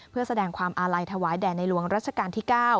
เพื่อแสดงความอาลัยถวายแด่ในหลวงรัชกาลที่๙